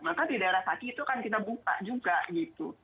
maka di daerah kaki itu akan kita buka juga gitu